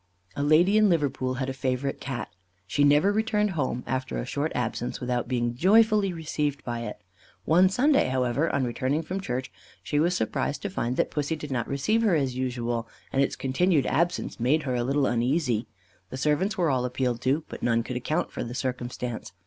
A lady in Liverpool had a favourite Cat. She never returned home, after a short absence, without being joyfully received by it. One Sunday, however, on returning from church, she was surprised to find that Pussy did not receive her as usual, and its continued absence made her a little uneasy. The servants were all appealed to, but none could account for the circumstance.